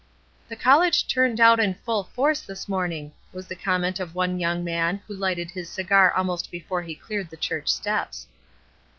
''The college turned out in full force this morning," was the comment of one young man who Ughted his cigar almost before he cleared the church steps.